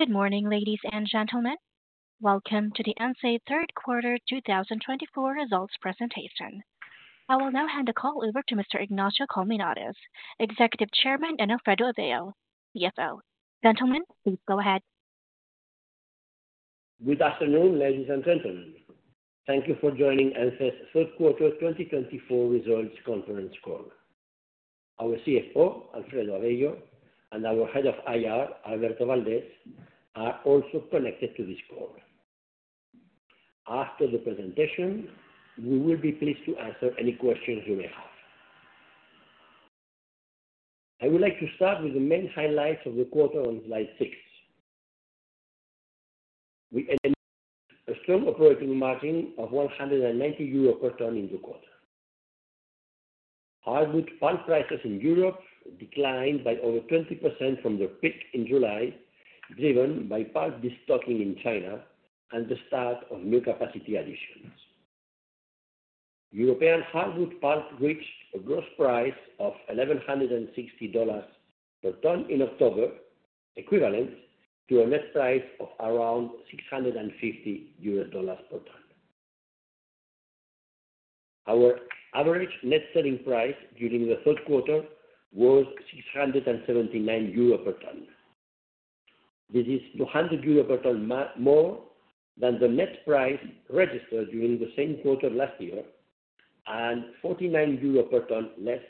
Good morning, ladies and gentlemen. Welcome to the ENCE Third Quarter 2024 results presentation. I will now hand the call over to Mr. Ignacio Colmenares, Executive Chairman and Alfredo Avello, CFO. Gentlemen, please go ahead. Good afternoon, ladies and gentlemen. Thank you for joining Ence's Third Quarter 2024 results conference call. Our CFO, Alfredo Avello, and our Head of IR, Alberto Valdés, are also connected to this call. After the presentation, we will be pleased to answer any questions you may have. I would like to start with the main highlights of the quarter on slide 6. We ended a strong operating margin of 190 euro per ton in the quarter. Hardwood pulp prices in Europe declined by over 20% from their peak in July, driven by pulp destocking in China and the start of new capacity additions. European hardwood pulp reached a gross price of $1,160 per ton in October, equivalent to a net price of around $650 per ton. Our average net selling price during the third quarter was 679 euro per ton. This is 200 euro per ton more than the net price registered during the same quarter last year and 49 euro per ton less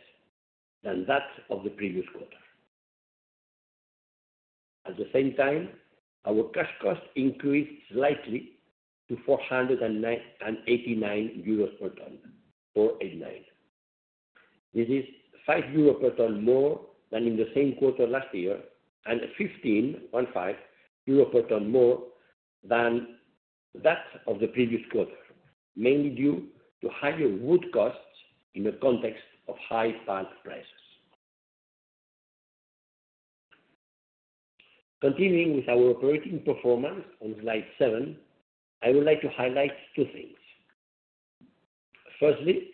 than that of the previous quarter. At the same time, our cash cost increased slightly to 489 euros per ton, or 89. This is 5 euros per ton more than in the same quarter last year and 15 euros per ton more than that of the previous quarter, mainly due to higher wood costs in the context of high pulp prices. Continuing with our operating performance on slide 7, I would like to highlight two things. Firstly,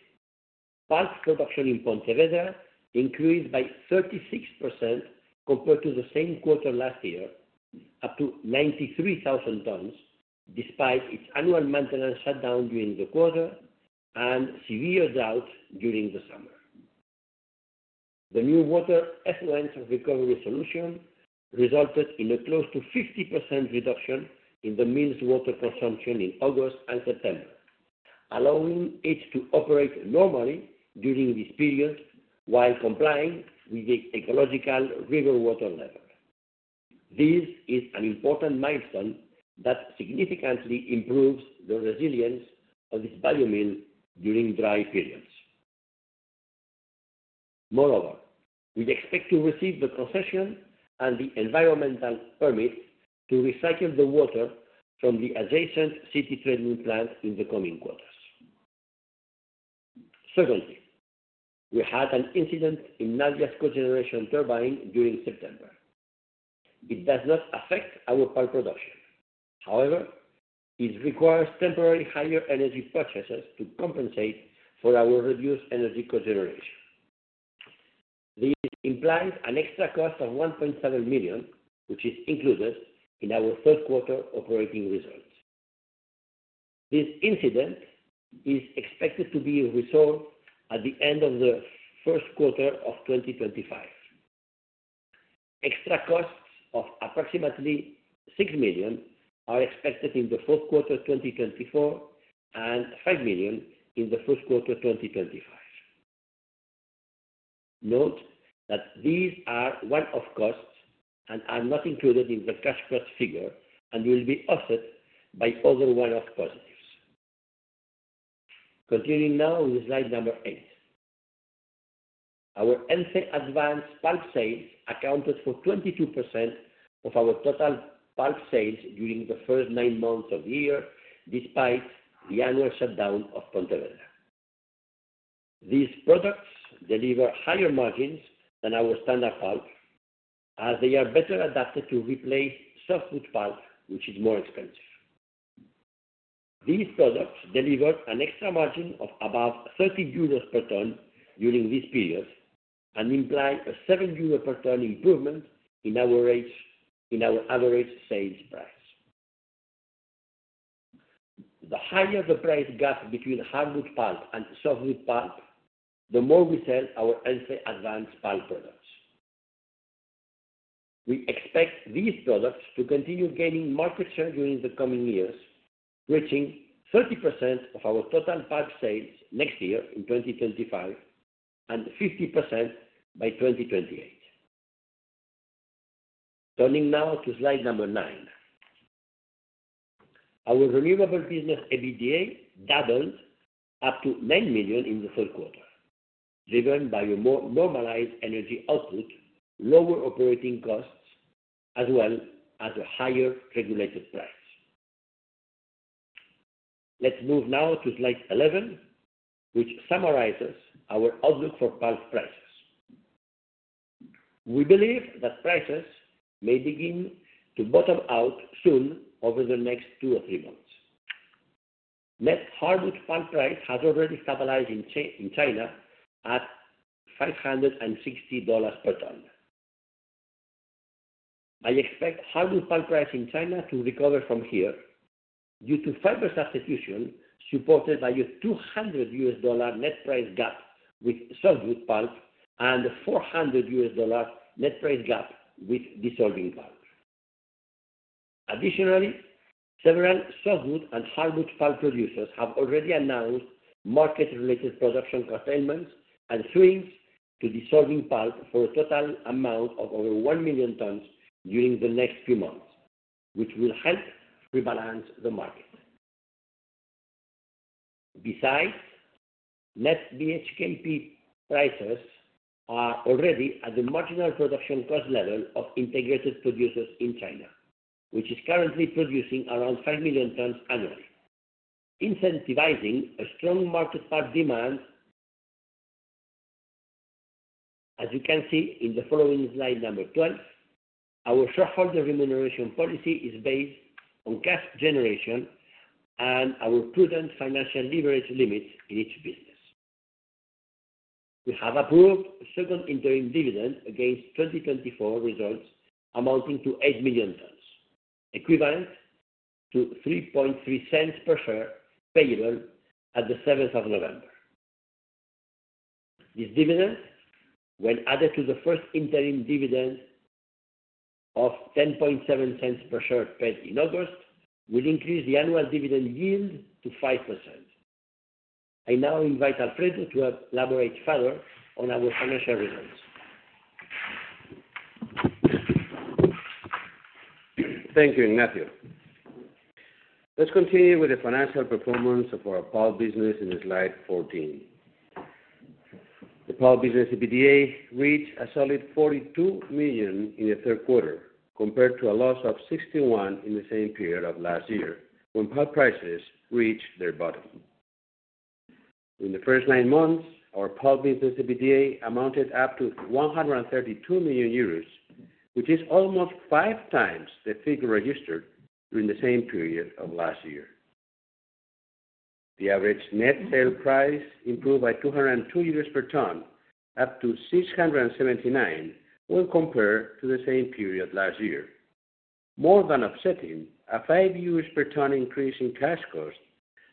pulp production in Pontevedra increased by 36% compared to the same quarter last year, up to 93,000 tons, despite its annual maintenance shutdown during the quarter and severe drought during the summer. The new water effluent recovery solution resulted in a close to 50% reduction in the mill's water consumption in August and September, allowing it to operate normally during this period while complying with the ecological river water level. This is an important milestone that significantly improves the resilience of this biomill during dry periods. Moreover, we expect to receive the concession and the environmental permit to recycle the water from the adjacent city treatment plant in the coming quarters. Secondly, we had an incident in Navia Cogeneration Turbine during September. It does not affect our pulp production. However, it requires temporary higher energy purchases to compensate for our reduced energy cogeneration. This implies an extra cost of 1.7 million, which is included in our third quarter operating results. This incident is expected to be resolved at the end of the first quarter of 2025. Extra costs of approximately 6 million are expected in the fourth quarter of 2024 and 5 million in the first quarter of 2025. Note that these are one-off costs and are not included in the cash cost figure and will be offset by other one-off positives. Continuing now with slide number 8. Our Ence Advanced pulp sales accounted for 22% of our total pulp sales during the first nine months of the year, despite the annual shutdown of Pontevedra. These products deliver higher margins than our standard pulp, as they are better adapted to replace softwood pulp, which is more expensive. These products delivered an extra margin of about 30 euros per ton during this period and imply a 7 euros per ton improvement in our average sales price. The higher the price gap between hardwood pulp and softwood pulp, the more we sell our Ence Advanced pulp products. We expect these products to continue gaining market share during the coming years, reaching 30% of our total pulp sales next year in 2025 and 50% by 2028. Turning now to slide number nine. Our renewable business EBITDA doubled up to € 9 million in the third quarter, driven by a more normalized energy output, lower operating costs, as well as a higher regulated price. Let's move now to slide eleven, which summarizes our outlook for pulp prices. We believe that prices may begin to bottom out soon over the next two or three months. Net hardwood pulp price has already stabilized in China at $560 per ton. I expect hardwood pulp price in China to recover from here due to fiber substitution supported by a $200 net price gap with softwood pulp and a $400 net price gap with dissolving pulp. Additionally, several softwood and hardwood pulp producers have already announced market-related production curtailments and swings to dissolving pulp for a total amount of over 1 million tons during the next few months, which will help rebalance the market. Besides, net BHKP prices are already at the marginal production cost level of integrated producers in China, which is currently producing around 5 million tons annually, incentivizing a strong market pulp demand. As you can see in the following slide number 12, our shareholder remuneration policy is based on cash generation and our prudent financial leverage limits in each business. We have approved a second interim dividend against 2024 results amounting to 8 million, equivalent to 0.033 per share payable at the 7th of November. This dividend, when added to the first interim dividend of 0.107 per share paid in August, will increase the annual dividend yield to 5%. I now invite Alfredo to elaborate further on our financial results. Thank you, Ignacio. Let's continue with the financial performance of our pulp business in slide 14. The pulp business EBITDA reached a solid 42 million in the third quarter, compared to a loss of 61 million in the same period of last year when pulp prices reached their bottom. In the first nine months, our pulp business EBITDA amounted up to 132 million euros, which is almost five times the figure registered during the same period of last year. The average net sale price improved by 202 euros per ton, up to 679, when compared to the same period last year. More than offsetting, a 5 euros per ton increase in cash cost,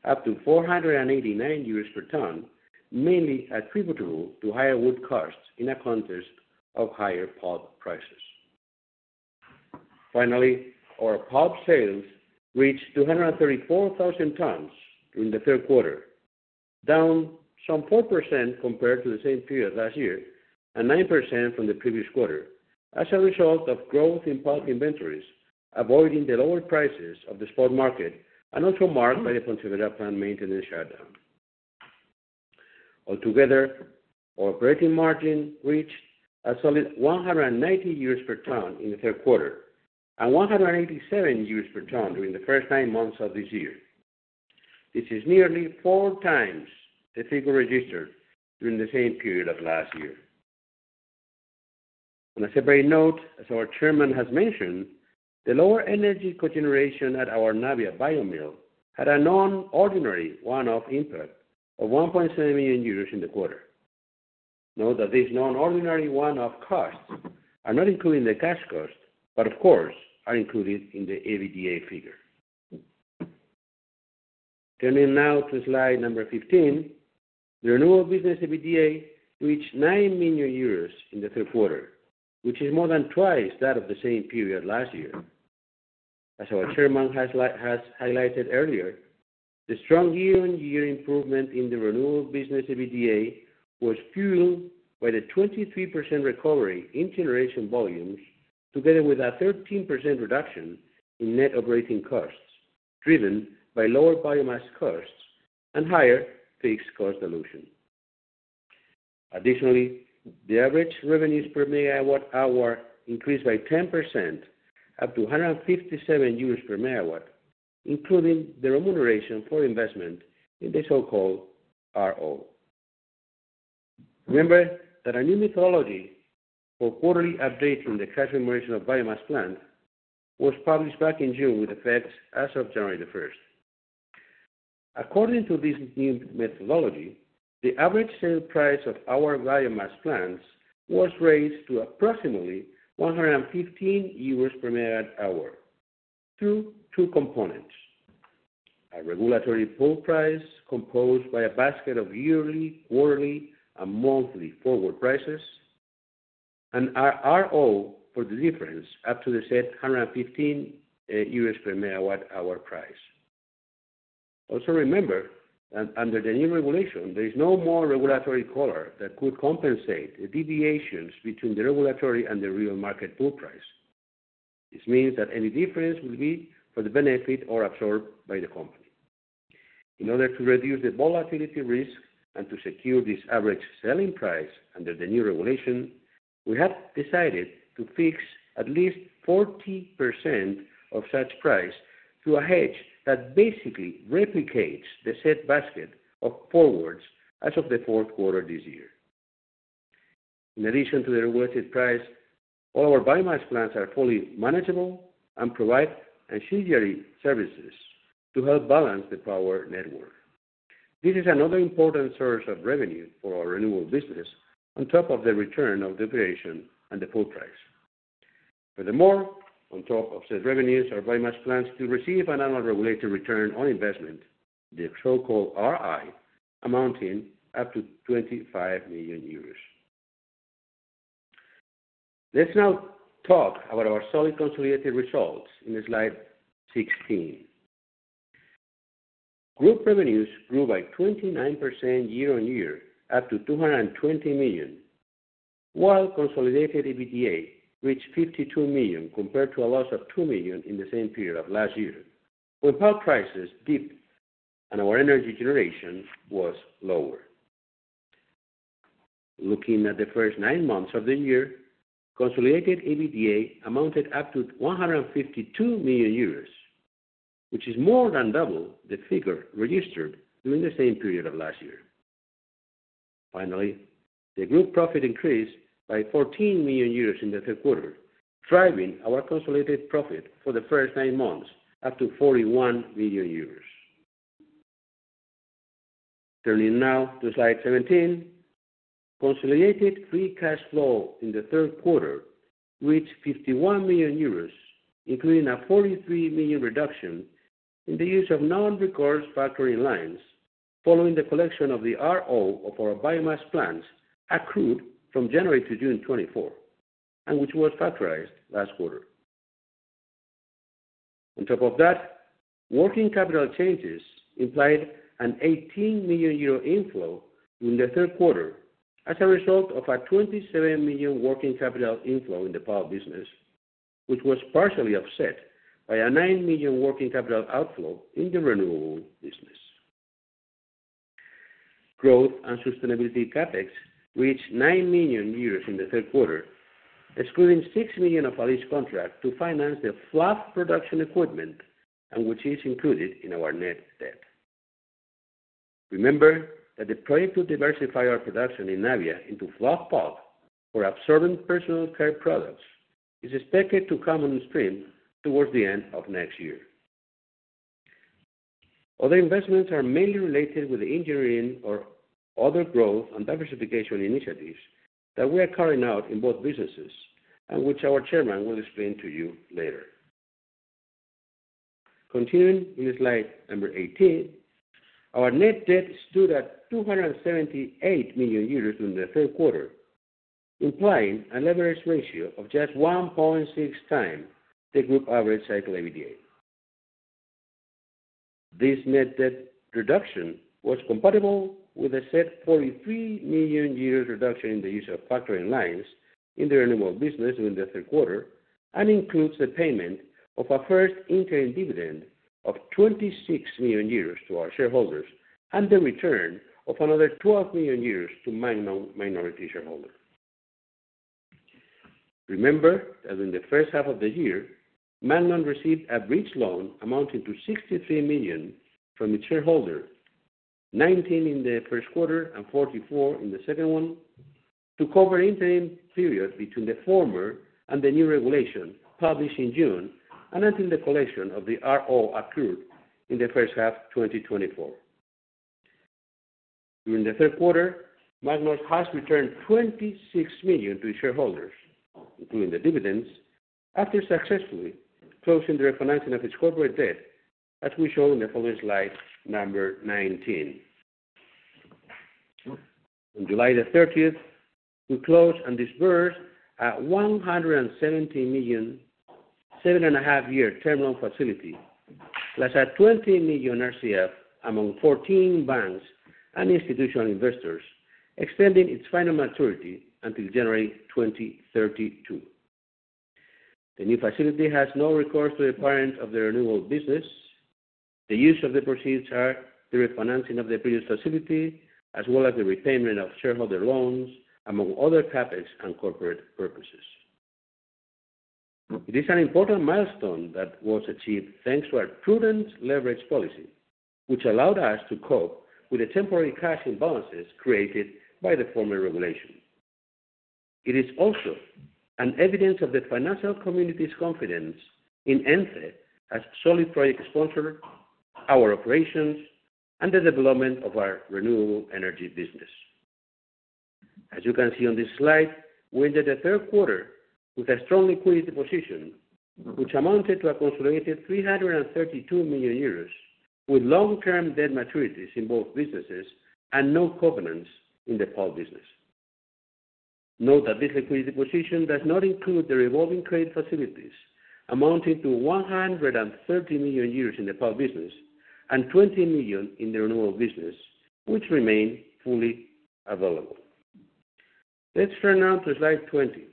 up to 489 euros per ton, mainly attributable to higher wood costs in a context of higher pulp prices. Finally, our pulp sales reached 234,000 tons during the third quarter, down some 4% compared to the same period last year and 9% from the previous quarter, as a result of growth in pulp inventories, avoiding the lower prices of the spot market and also marked by the Pontevedra plant maintenance shutdown. Altogether, our operating margin reached a solid 190 per ton in the third quarter and 187 per ton during the first nine months of this year. This is nearly four times the figure registered during the same period of last year. On a separate note, as our Chairman has mentioned, the lower energy cogeneration at our Navia Biomill had a non-ordinary one-off impact of 1.7 million euros in the quarter. Note that these non-ordinary one-off costs are not including the cash cost, but of course are included in the EBITDA figure. Turning now to slide number 15, the renewable business EBITDA reached 9 million euros in the third quarter, which is more than twice that of the same period last year. As our chairman has highlighted earlier, the strong year-on-year improvement in the renewable business EBITDA was fueled by the 23% recovery in generation volumes, together with a 13% reduction in net operating costs, driven by lower biomass costs and higher fixed cost dilution. Additionally, the average revenues per megawatt hour increased by 10%, up to 157 euros per megawatt, including the remuneration for investment in the so-called RO. Remember that a new methodology for quarterly updating the cash remuneration of biomass plants was published back in June with effects as of January the 1st. According to this new methodology, the average sale price of our biomass plants was raised to approximately €115 per megawatt hour through two components: a regulatory pool price composed by a basket of yearly, quarterly, and monthly forward prices, and an RO for the difference up to the set €115 per megawatt hour price. Also, remember that under the new regulation, there is no more regulatory collar that could compensate the deviations between the regulatory and the real market pool price. This means that any difference will be for the benefit or absorbed by the company. In order to reduce the volatility risk and to secure this average selling price under the new regulation, we have decided to fix at least 40% of such price through a hedge that basically replicates the set basket of forwards as of the fourth quarter this year. In addition to the regulated price, all our biomass plants are fully manageable and provide ancillary services to help balance the power network. This is another important source of revenue for our renewable business, on top of the Ro and the pool price. Furthermore, on top of said revenues, our biomass plants still receive an annual regulated return on investment, the so-called RI, amounting up to €25 million. Let's now talk about our solid consolidated results in slide 16. Group revenues grew by 29% year-on-year, up to €220 million, while consolidated EBITDA reached €52 million compared to a loss of €2 million in the same period of last year when pulp prices dipped and our energy generation was lower. Looking at the first nine months of the year, consolidated EBITDA amounted up to 152 million euros, which is more than double the figure registered during the same period of last year. Finally, the group profit increased by 14 million euros in the third quarter, driving our consolidated profit for the first nine months up to 41 million euros. Turning now to slide 17, consolidated free cash flow in the third quarter reached 51 million euros, including a 43 million reduction in the use of non-recourse factoring lines following the collection of the RO of our biomass plants accrued from January to June 2024, and which was factored last quarter. On top of that, working capital changes implied an 18 million euro inflow during the third quarter as a result of a 27 million working capital inflow in the pulp business, which was partially offset by a 9 million working capital outflow in the renewable business. Growth and sustainability CapEx reached 9 million euros in the third quarter, excluding 6 million of EPC contract to finance the fluff pulp production equipment, which is included in our net debt. Remember that the project to diversify of production in Navia into fluff pulp for absorbent personal care products is expected to come on stream towards the end of next year. Other investments are mainly related with engineering or other growth and diversification initiatives that we are carrying out in both businesses, and which our chairman will explain to you later. Continuing in slide number 18, our net debt stood at 278 million euros during the third quarter, implying a leverage ratio of just 1.6 times the group average cycle EBITDA. This net debt reduction was compatible with the set 43 million reduction in the use of factoring lines in the renewable business during the third quarter and includes the payment of a first interim dividend of 26 million euros to our shareholders and the return of another 12 million euros to Magnom minority shareholder. Remember that in the first half of the year, Magnom received a bridge loan amounting to 63 million from its shareholder, 19 million in the first quarter and 44 million in the second one, to cover the interim period between the former and the new regulation published in June and until the collection of the RO accrued in the first half of 2024. During the third quarter, Magnom has returned 26 million to its shareholders, including the dividends, after successfully closing the refinancing of its corporate debt, as we show in the following slide number 19. On July the 30th, we closed and disbursed a 170 million 7.5 year terminal facility, plus a 20 million RCF among 14 banks and institutional investors, extending its final maturity until January 2032. The new facility has no recourse to the parent of the renewable business. The use of the proceeds is the refinancing of the previous facility, as well as the repayment of shareholder loans, among other CapEx and corporate purposes. It is an important milestone that was achieved thanks to our prudent leverage policy, which allowed us to cope with the temporary cash imbalances created by the former regulation. It is also an evidence of the financial community's confidence in Ence as a solid project sponsor, our operations, and the development of our renewable energy business. As you can see on this slide, we entered the third quarter with a strong liquidity position, which amounted to a consolidated €332 million, with long-term debt maturities in both businesses and no covenants in the pulp business. Note that this liquidity position does not include the revolving trade facilities, amounting to €130 million in the pulp business and €20 million in the renewable business, which remain fully available. Let's turn now to slide 20.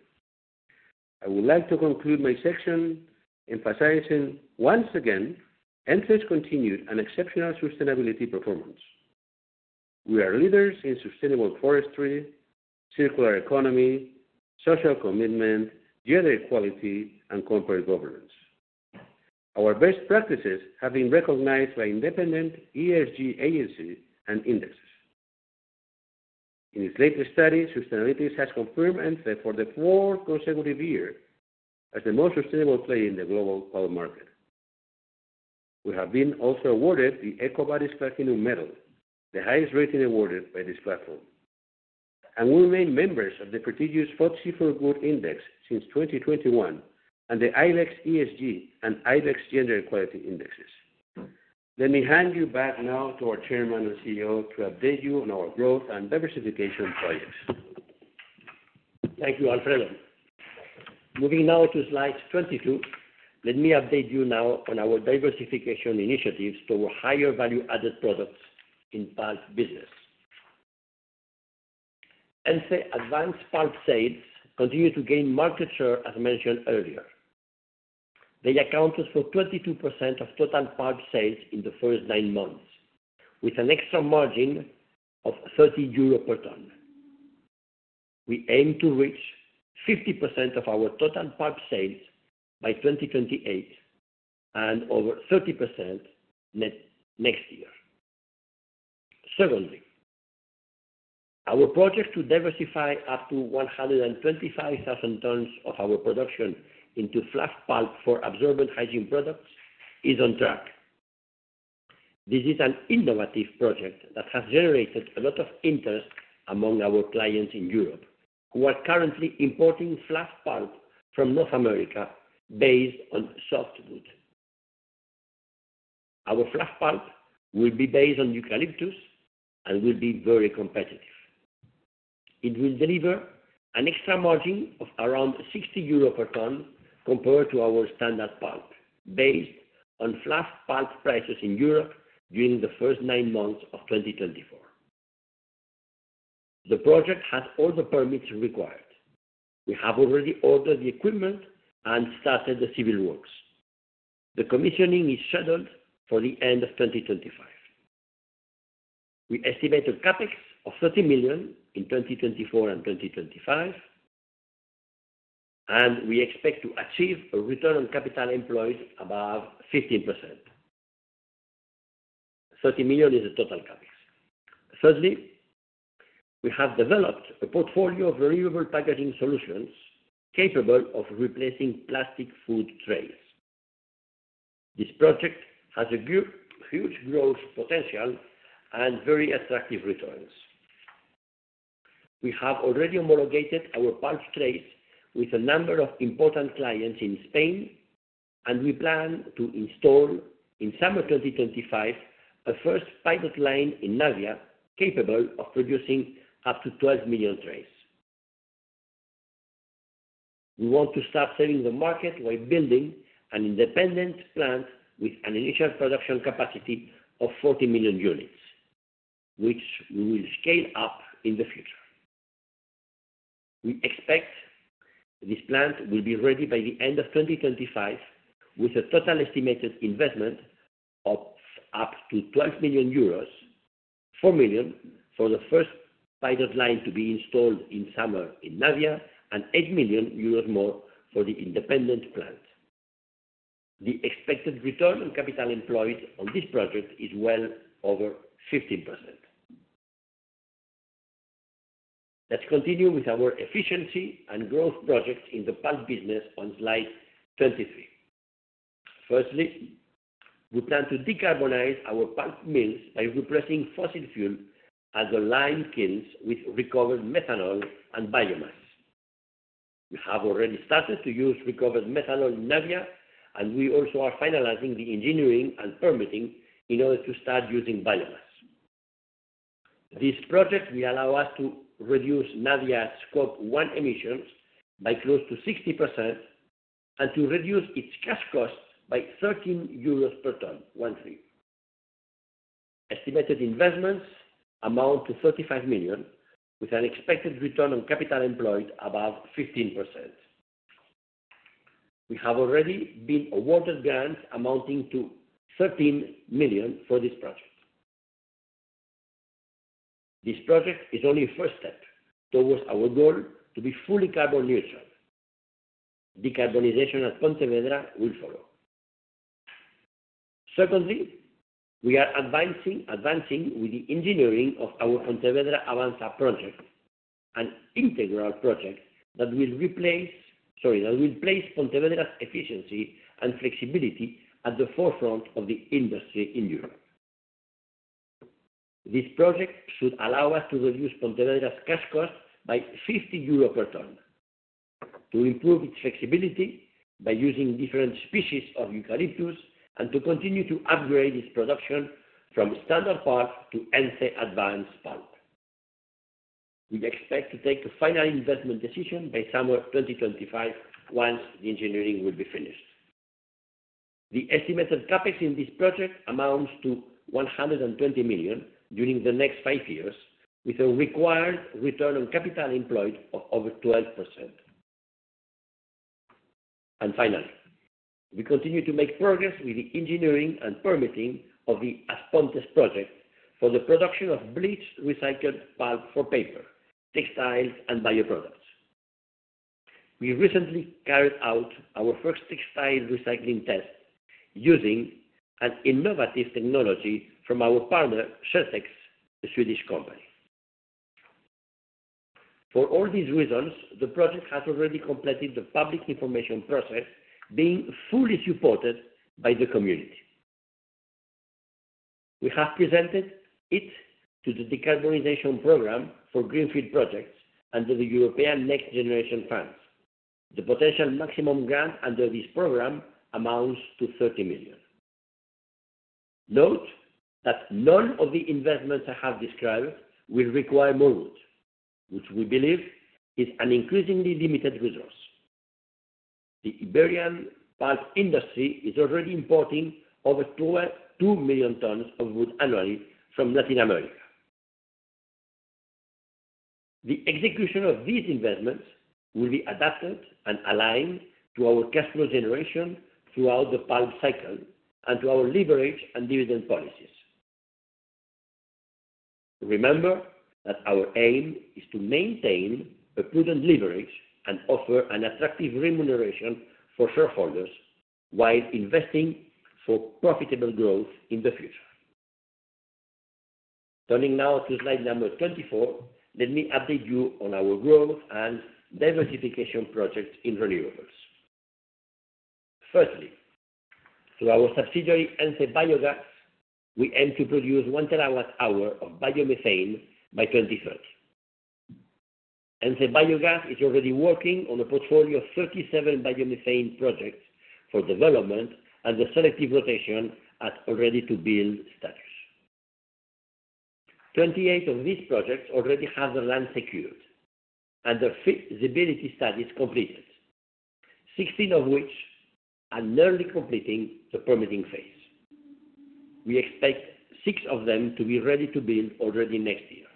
I would like to conclude my section emphasizing once again Ence's continued and exceptional sustainability performance. We are leaders in sustainable forestry, circular economy, social commitment, gender equality, and corporate governance. Our best practices have been recognized by independent ESG agencies and indexes. In its latest study, Sustainalytics has confirmed Ence for the fourth consecutive year as the most sustainable player in the global pulp market. We have been also awarded the EcoVadis Platinum Medal, the highest rating awarded by this platform, and we remain members of the prestigious FTSE4Good index since 2021 and the IBEX ESG and IBEX Gender Equality indexes. Let me hand you back now to our Chairman and CEO to update you on our growth and diversification projects. Thank you, Alfredo. Moving now to slide 22, let me update you now on our diversification initiatives toward higher value-added products in pulp business. Ence's advanced pulp sales continue to gain market share, as mentioned earlier. They accounted for 22% of total pulp sales in the first nine months, with an extra margin of 30 euro per ton. We aim to reach 50% of our total pulp sales by 2028 and over 30% next year. Secondly, our project to diversify up to 125,000 tons of our production into fluff pulp for absorbent hygiene products is on track. This is an innovative project that has generated a lot of interest among our clients in Europe, who are currently importing fluff pulp from North America based on softwood. Our fluff pulp will be based on eucalyptus and will be very competitive. It will deliver an extra margin of around 60 euro per ton compared to our standard pulp, based on fluff pulp prices in Europe during the first nine months of 2024. The project has all the permits required. We have already ordered the equipment and started the civil works. The commissioning is scheduled for the end of 2025. We estimate a CapEx of €30 million in 2024 and 2025, and we expect to achieve a return on capital employed above 15%. €30 million is the total CapEx. Thirdly, we have developed a portfolio of renewable packaging solutions capable of replacing plastic food trays. This project has a huge growth potential and very attractive returns. We have already homologated our palm trays with a number of important clients in Spain, and we plan to install in summer 2025 a first pilot line in Navia capable of producing up to 12 million trays. We want to start selling to the market while building an independent plant with an initial production capacity of 40 million units, which we will scale up in the future. We expect this plant will be ready by the end of 2025, with a total estimated investment of up to € 12 million, € 4 million for the first pilot line to be installed in summer in Navia and € 8 million more for the independent plant. The expected return on capital employed on this project is well over 15%. Let's continue with our efficiency and growth projects in the pulp business on slide 23. Firstly, we plan to decarbonize our pulp mills by replacing fossil fuel as the lime kilns with recovered methanol and biomass. We have already started to use recovered methanol in Navia, and we also are finalizing the engineering and permitting in order to start using biomass. This project will allow us to reduce Navia's Scope 1 emissions by close to 60% and to reduce its cash cost by € 13 per ton, € 13. Estimated investments amount to 35 million, with an expected return on capital employed above 15%. We have already been awarded grants amounting to 13 million for this project. This project is only a first step towards our goal to be fully carbon neutral. Decarbonization at Pontevedra will follow. Secondly, we are advancing with the engineering of our Pontevedra Avanza project, an integral project that will replace Pontevedra's efficiency and flexibility at the forefront of the industry in Europe. This project should allow us to reduce Pontevedra's cash cost by 50 euros per ton, to improve its flexibility by using different species of eucalyptus, and to continue to upgrade its production from standard pulp to Ence Advanced pulp. We expect to take a final investment decision by summer 2025 once the engineering will be finished. The estimated CapEx in this project amounts to €120 million during the next five years, with a required return on capital employed of over 12%. Finally, we continue to make progress with the engineering and permitting of the As Pontes project for the production of bleached recycled pulp for paper, textiles, and bioproducts. We recently carried out our first textile recycling test using an innovative technology from our partner ShareTex, the Swedish company. For all these reasons, the project has already completed the public information process, being fully supported by the community. We have presented it to the Decarbonization Program for Greenfield Projects under the European Next Generation Fund. The potential maximum grant under this program amounts to €30 million. Note that none of the investments I have described will require more wood, which we believe is an increasingly limited resource. The Iberian pulp industry is already importing over 2 million tons of wood annually from Latin America. The execution of these investments will be adapted and aligned to our cash flow generation throughout the pulp cycle and to our leverage and dividend policies. Remember that our aim is to maintain a prudent leverage and offer an attractive remuneration for shareholders while investing for profitable growth in the future. Turning now to slide number 24, let me update you on our growth and diversification projects in renewables. Firstly, through our subsidiary Ence Biogás, we aim to produce one terawatt-hour of biomethane by 2030. Ence Biogás is already working on a portfolio of 37 biomethane projects for development and the selective rotation at already-to-build status. 28 of these projects already have the land secured and the feasibility studies completed, 16 of which are nearly completing the permitting phase. We expect six of them to be ready to build already next year.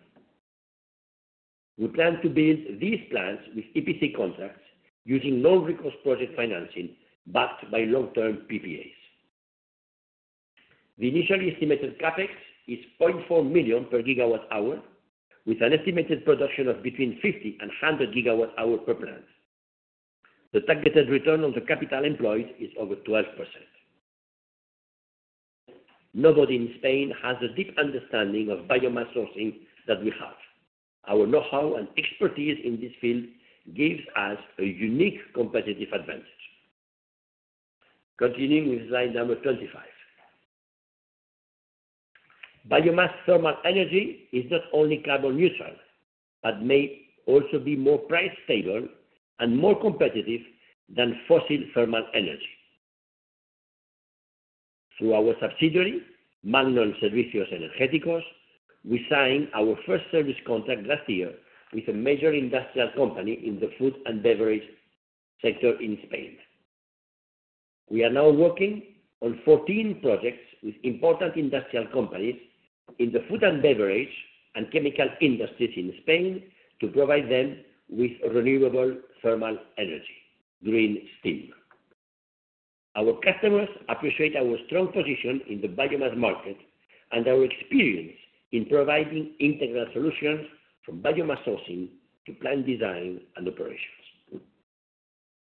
We plan to build these plants with EPC contracts using non-recourse project financing backed by long-term PPAs. The initial estimated CapEx is €0.4 million per gigawatt-hour, with an estimated production of between 50 and 100 gigawatt-hour per plant. The targeted return on the capital employed is over 12%. Nobody in Spain has the deep understanding of biomass sourcing that we have. Our know-how and expertise in this field gives us a unique competitive advantage. Continuing with slide number 25, biomass thermal energy is not only carbon neutral but may also be more price-stable and more competitive than fossil thermal energy. Through our subsidiary, Magnon Green Energy, we signed our first service contract last year with a major industrial company in the food and beverage sector in Spain. We are now working on 14 projects with important industrial companies in the food and beverage and chemical industries in Spain to provide them with renewable thermal energy, green steam. Our customers appreciate our strong position in the biomass market and our experience in providing integral solutions from biomass sourcing to plant design and operations.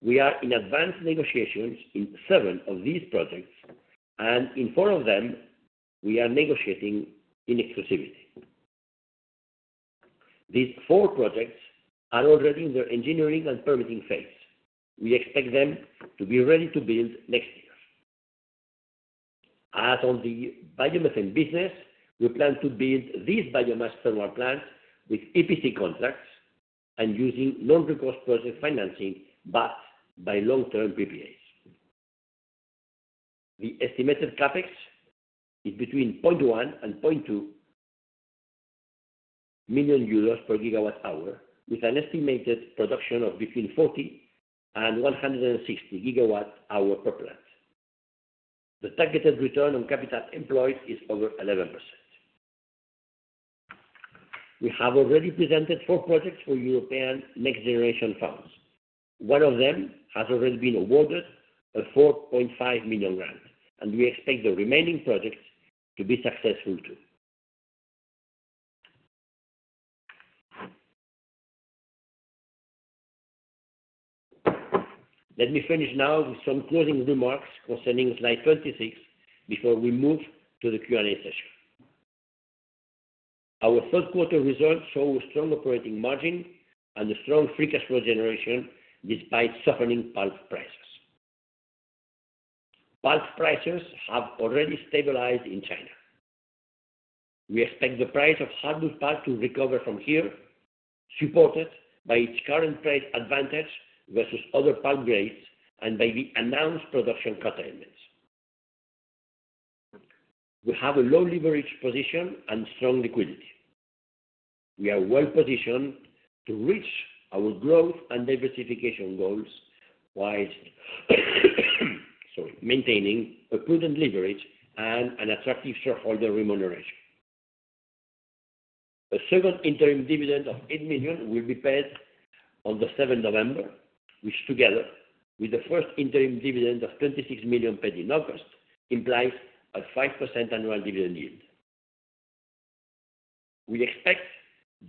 We are in advanced negotiations in seven of these projects, and in four of them, we are negotiating in exclusivity. These four projects are already in their engineering and permitting phase. We expect them to be ready to build next year. As on the biomethane business, we plan to build these biomass thermal plants with EPC contracts and using non-recourse project financing backed by long-term PPAs. The estimated CapEx is between €0.1-€0.2 million per gigawatt-hour, with an estimated production of between 40 and 160 gigawatt-hour per plant. The targeted return on capital employed is over 11%. We have already presented four projects for European Next Generation Funds. One of them has already been awarded a 4.5 million grant, and we expect the remaining projects to be successful too. Let me finish now with some closing remarks concerning slide 26 before we move to the Q&A session. Our third-quarter results show a strong operating margin and a strong free cash flow generation despite softening pulp prices. Pulp prices have already stabilized in China. We expect the price of hardwood pulp to recover from here, supported by its current price advantage versus other pulp grades and by the announced production cut elements. We have a low leverage position and strong liquidity. We are well positioned to reach our growth and diversification goals while maintaining a prudent leverage and an attractive shareholder remuneration. A second interim dividend of €8 million will be paid on the 7th of November, which together with the first interim dividend of €26 million paid in August implies a 5% annual dividend yield. We expect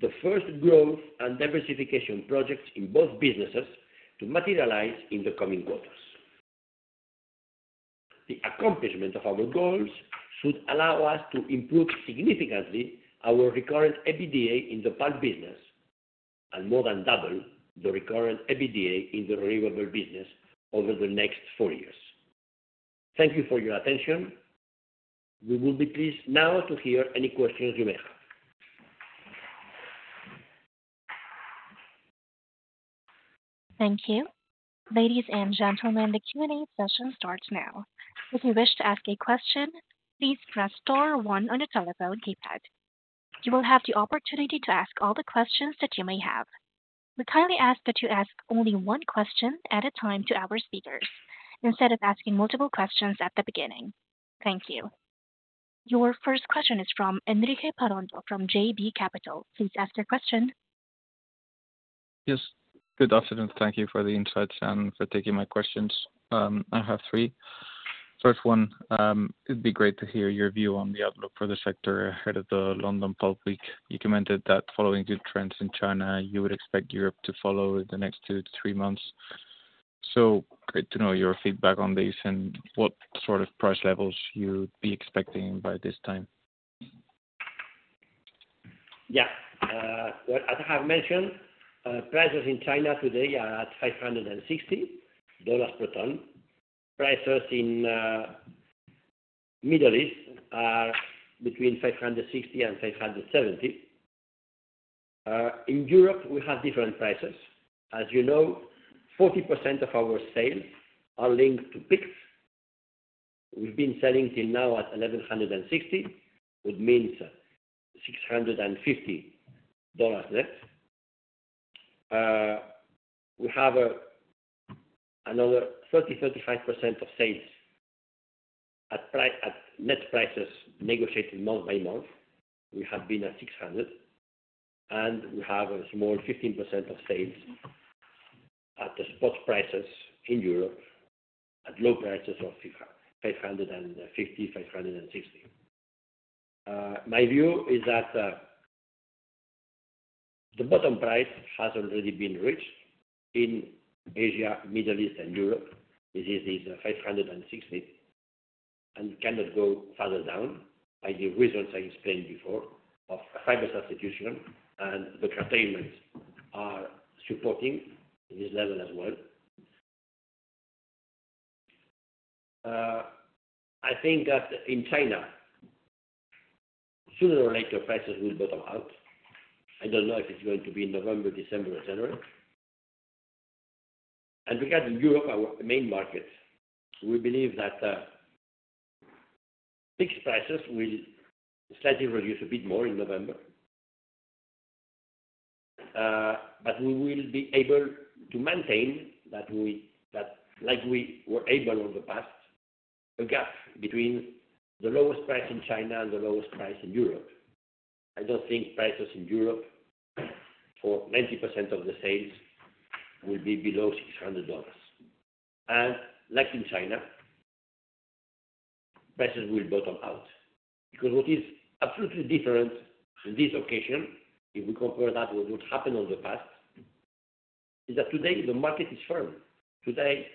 the first growth and diversification projects in both businesses to materialize in the coming quarters. The accomplishment of our goals should allow us to improve significantly our recurrent EBITDA in the pulp business and more than double the recurrent EBITDA in the renewable business over the next four years. Thank you for your attention. We will be pleased now to hear any questions you may have. Thank you. Ladies and gentlemen, the Q&A session starts now. If you wish to ask a question, please press star one on your telephone keypad. You will have the opportunity to ask all the questions that you may have. We kindly ask that you ask only one question at a time to our speakers instead of asking multiple questions at the beginning. Thank you. Your first question is from Enrique Parrondo from JB Capital Markets. Please ask your question. Yes. Good afternoon. Thank you for the insights and for taking my questions. I have three. First one, it'd be great to hear your view on the outlook for the sector ahead of the London Pulp Week. You commented that following good trends in China, you would expect Europe to follow in the next two to three months. So great to know your feedback on this and what sort of price levels you'd be expecting by this time. Yeah. As I have mentioned, prices in China today are at $560 per ton. Prices in the Middle East are between $560 and $570. In Europe, we have different prices. As you know, 40% of our sales are linked to PIX. We've been selling till now at $1,160, which means $650 net. We have another 30-35% of sales at net prices negotiated month by month. We have been at $600, and we have a small 15% of sales at the spot prices in Europe at low prices of $550-$560. My view is that the bottom price has already been reached in Asia, Middle East, and Europe. It is $560 and cannot go further down by the reasons I explained before of fiber substitution, and the consumption is supporting this level as well. I think that in China, sooner or later, prices will bottom out. I don't know if it's going to be in November, December, or January. Regarding Europe, our main market, we believe that fixed prices will slightly reduce a bit more in November, but we will be able to maintain that, like we were able in the past, a gap between the lowest price in China and the lowest price in Europe. I don't think prices in Europe for 90% of the sales will be below $600. Like in China, prices will bottom out because what is absolutely different in this occasion, if we compare that with what happened in the past, is that today the market is firm. Today,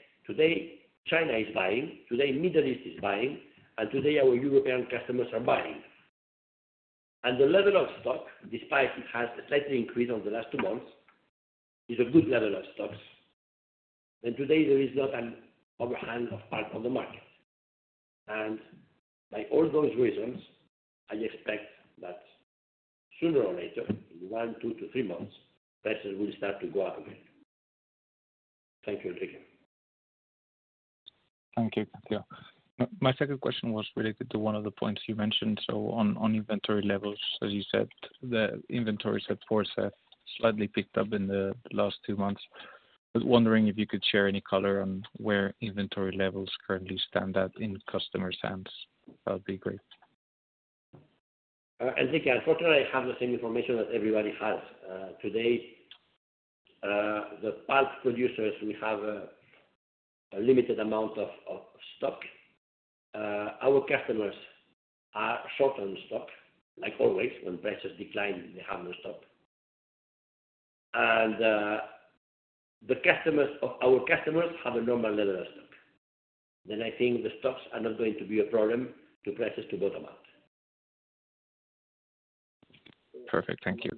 China is buying. Today, Middle East is buying, and today our European customers are buying. The level of stock, despite it has slightly increased in the last two months, is a good level of stocks. Today, there is not an overhang of pulp on the market. By all those reasons, I expect that sooner or later, in one, two, to three months, prices will start to go up again. Thank you, Enrique. Thank you, Cole. My second question was related to one of the points you mentioned. So on inventory levels, as you said, the inventory destocking has slightly picked up in the last two months. I was wondering if you could share any color on where inventory levels currently stand at in customer's hands. That would be great. Enrique, unfortunately, I have the same information that everybody has. Today, the pulp producers, we have a limited amount of stock. Our customers are short on stock. Like always, when prices decline, they have no stock. And our customers have a normal level of stock. Then I think the stocks are not going to be a problem to prices to bottom out. Perfect. Thank you.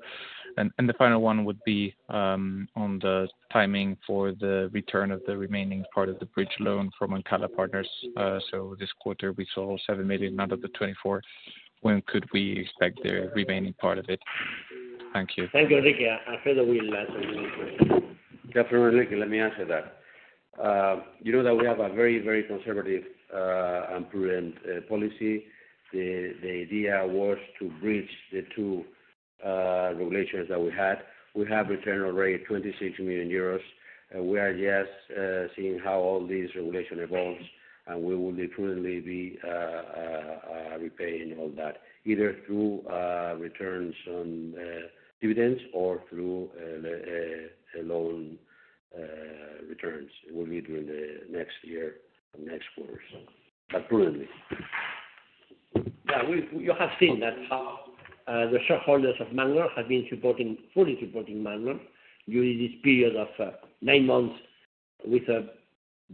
And the final one would be on the timing for the return of the remaining part of the bridge loan from Ancala Partners. So this quarter, we saw 7 million out of the 24. When could we expect the remaining part of it? Thank you. Thank you, Enrique. I feel that we'll answer your question. Dr. Avello, let me answer that. You know that we have a very, very conservative and prudent policy. The idea was to bridge the two regulations that we had. We have returned already 26 million euros. We are just seeing how all these regulations evolve, and we will be prudently repaying all that, either through returns on dividends or through loan returns. It will be during the next year and next quarter, but prudently. Yeah. You have seen that the shareholders of Magnon have been fully supporting Magnon during this period of nine months with a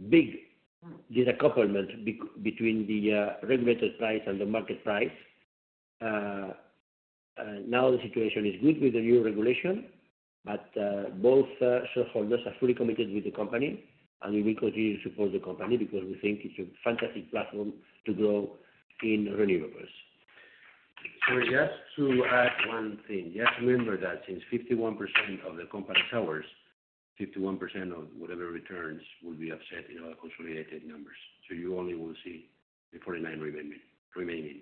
big discrepancy between the regulated price and the market price. Now the situation is good with the new regulation, but both shareholders are fully committed with the company, and we will continue to support the company because we think it's a fantastic platform to grow in renewables. So just to add one thing, just remember that since 51% of the company's ours, 51% of whatever returns will be offset in our consolidated numbers. So you only will see the $49 remaining.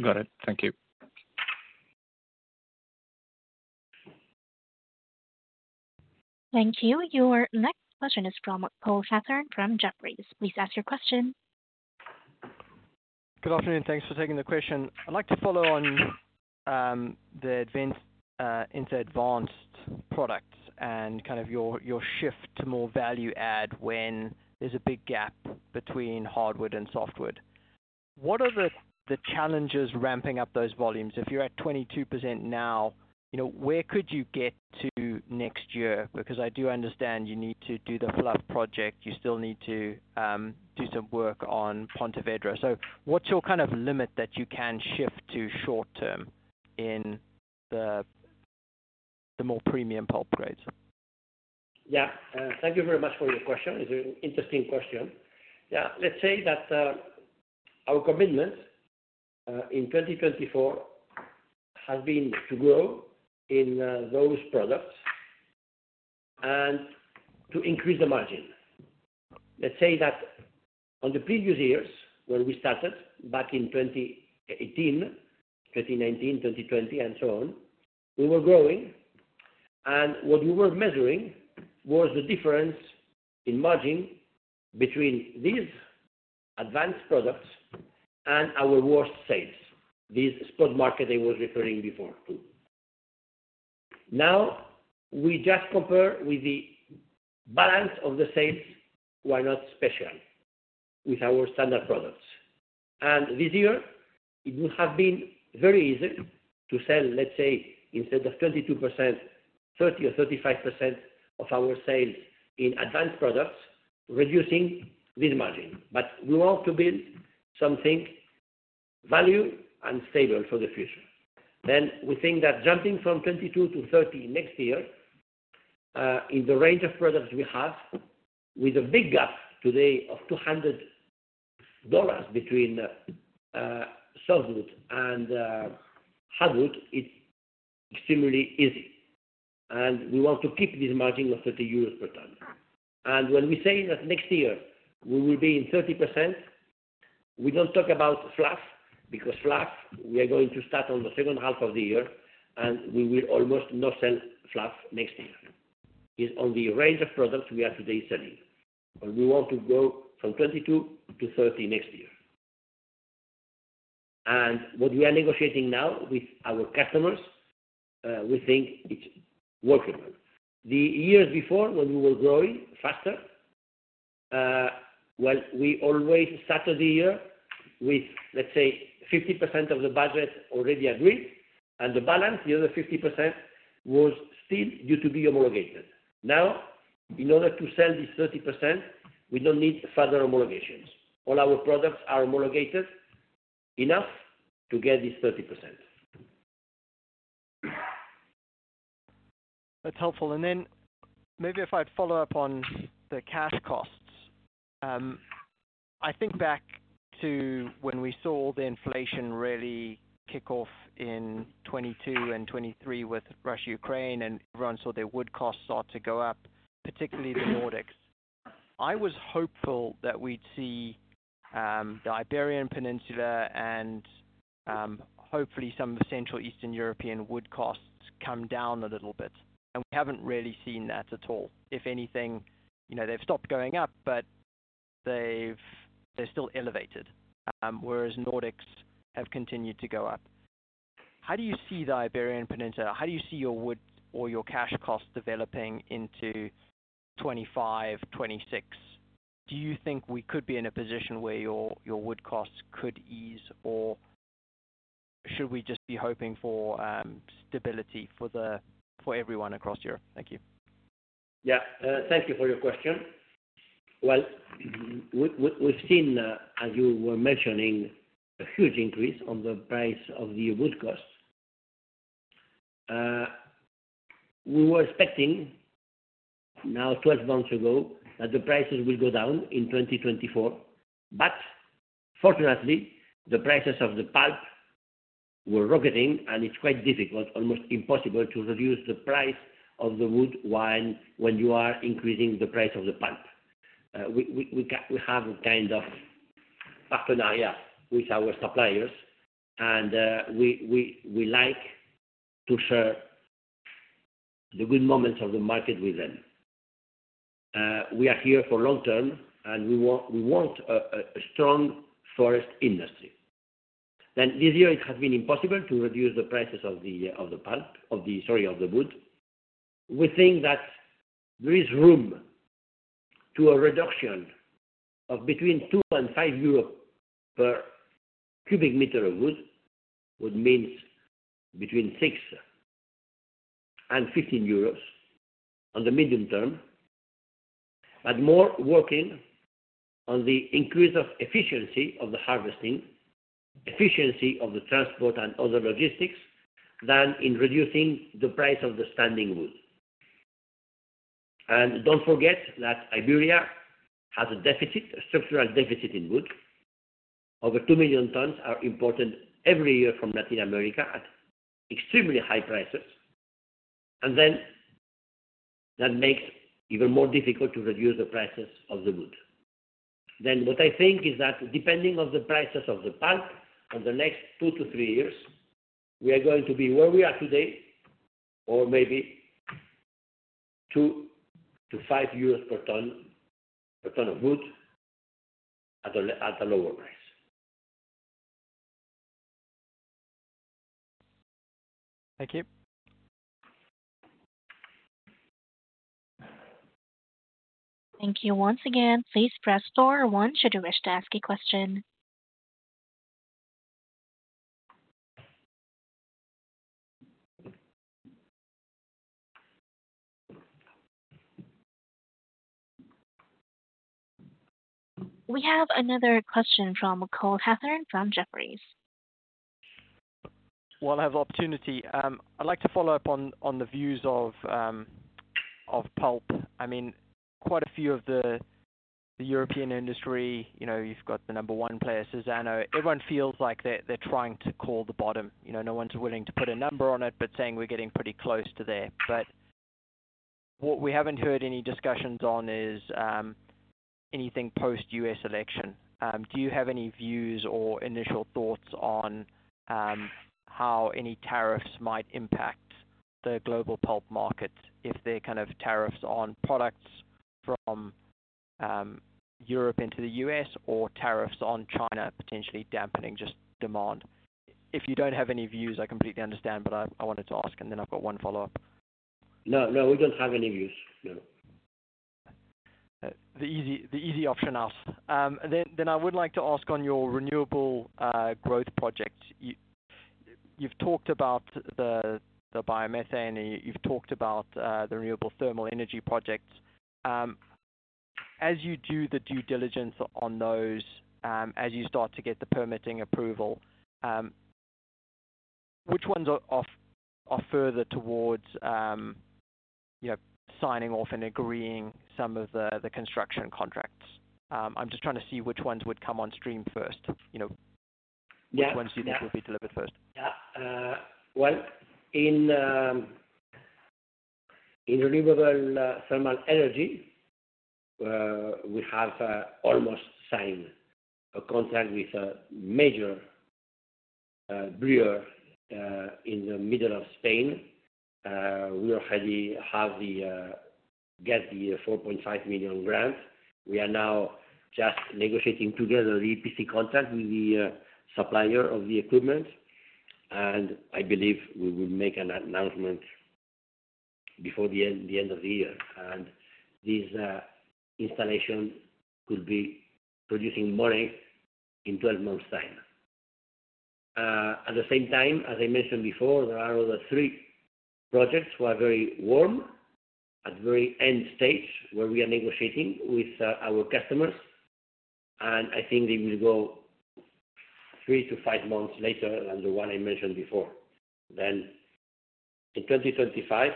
Okay? Got it. Thank you. Thank you. Your next question is from Cole Hathorn from Jefferies. Please ask your question. Good afternoon. Thanks for taking the question. I'd like to follow on the Ence Advanced products and kind of your shift to more value-add when there's a big gap between hardwood and softwood. What are the challenges ramping up those volumes? If you're at 22% now, where could you get to next year? Because I do understand you need to do the fluff project. You still need to do some work on Pontevedra. So what's your kind of limit that you can shift to short-term in the more premium pulp grades? Yeah. Thank you very much for your question. It's an interesting question. Yeah. Let's say that our commitment in 2024 has been to grow in those products and to increase the margin. Let's say that on the previous years when we started back in 2018, 2019, 2020, and so on, we were growing. And what we were measuring was the difference in margin between these advanced products and our worst sales, this spot market they were referring before to. Now we just compare with the balance of the sales who are not special with our standard products. And this year, it would have been very easy to sell, let's say, instead of 22%, 30% or 35% of our sales in advanced products, reducing this margin. But we want to build something value and stable for the future. Then we think that jumping from 22 to 30 next year in the range of products we have, with a big gap today of $200 between softwood and hardwood, it's extremely easy. And we want to keep this margin of €30 per ton. When we say that next year we will be in 30%, we don't talk about fluff because fluff, we are going to start on the second half of the year, and we will almost not sell fluff next year. It's on the range of products we are today selling. We want to grow from 22% to 30% next year. What we are negotiating now with our customers, we think it's workable. The years before, when we were growing faster, well, we always started the year with, let's say, 50% of the budget already agreed, and the balance, the other 50%, was still due to be homologated. Now, in order to sell this 30%, we don't need further homologations. All our products are homologated enough to get this 30%. That's helpful. Maybe if I'd follow up on the cash costs. I think back to when we saw the inflation really kick off in 2022 and 2023 with Russia-Ukraine, and everyone saw their wood costs start to go up, particularly the Nordics. I was hopeful that we'd see the Iberian Peninsula and hopefully some of the Central Eastern European wood costs come down a little bit. And we haven't really seen that at all. If anything, they've stopped going up, but they're still elevated, whereas Nordics have continued to go up. How do you see the Iberian Peninsula? How do you see your wood or your cash costs developing into 2025, 2026? Do you think we could be in a position where your wood costs could ease, or should we just be hoping for stability for everyone across Europe? Thank you. Yeah. Thank you for your question. We've seen, as you were mentioning, a huge increase on the price of the wood costs. We were expecting now, 12 months ago, that the prices would go down in 2024. Fortunately, the prices of the pulp were rocketing, and it's quite difficult, almost impossible, to reduce the price of the wood when you are increasing the price of the pulp. We have a kind of partnership with our suppliers, and we like to share the good moments of the market with them. We are here for long-term, and we want a strong forest industry. This year, it has been impossible to reduce the prices of the pulp, of the, sorry, of the wood. We think that there is room to a reduction of between 2 and 5 euro per cubic meter of wood, which means between 6 and 15 euros on the medium term, but more working on the increase of efficiency of the harvesting, efficiency of the transport and other logistics than in reducing the price of the standing wood, and don't forget that Iberia has a deficit, a structural deficit in wood. Over two million tons are imported every year from Latin America at extremely high prices, and then that makes it even more difficult to reduce the prices of the wood, then what I think is that depending on the prices of the pulp for the next two to three years, we are going to be where we are today, or maybe 2 to 5 euros per ton of wood at a lower price. Thank you. Thank you once again. Please press star one should you wish to ask a question. We have another question from Cole Hathorn from Jefferies. While I have opportunity, I'd like to follow up on the views of pulp. I mean, quite a few of the European industry, you've got the number one player, Suzano. Everyone feels like they're trying to call the bottom. No one's willing to put a number on it, but saying we're getting pretty close to there. But what we haven't heard any discussions on is anything post-U.S. election. Do you have any views or initial thoughts on how any tariffs might impact the global pulp market, if they're kind of tariffs on products from Europe into the U.S. or tariffs on China potentially dampening just demand? If you don't have any views, I completely understand, but I wanted to ask, and then I've got one follow-up. No, no. We don't have any views. No. The easy option out. Then I would like to ask on your renewable growth projects. You've talked about the biomethane. You've talked about the renewable thermal energy projects. As you do the due diligence on those, as you start to get the permitting approval, which ones are further towards signing off and agreeing some of the construction contracts? I'm just trying to see which ones would come on stream first, which ones you think would be delivered first. Yeah. Well, in renewable thermal energy, we have almost signed a contract with a major brewer in the middle of Spain. We already have the 4.5 million grant. We are now just negotiating together the EPC contract with the supplier of the equipment. And I believe we will make an announcement before the end of the year. This installation could be producing more in 12 months' time. At the same time, as I mentioned before, there are other three projects who are very warm at the very end stage where we are negotiating with our customers. I think they will go three to five months later than the one I mentioned before. Then in 2025,